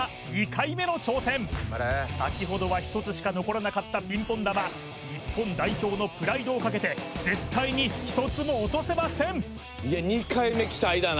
２回目の挑戦先ほどは１つしか残らなかったピンポン球日本代表のプライドをかけて絶対に１つも落とせません